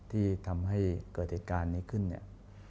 ที่ทำให้เกิดเหตุการณ์นี้ขึ้นเนี่ย